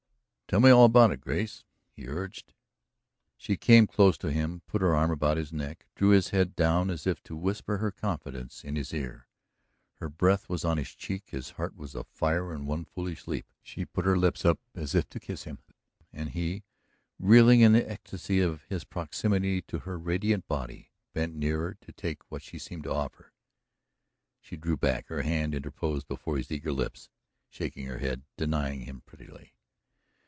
"Tell me all about it, Grace," he urged. She came close to him, put her arm about his neck, drew his head down as if to whisper her confidence in his ear. Her breath was on his cheek, his heart was afire in one foolish leap. She put up her lips as if to kiss him, and he, reeling in the ecstasy of his proximity to her radiant body, bent nearer to take what she seemed to offer. She drew back, her hand interposed before his eager lips, shaking her head, denying him prettily.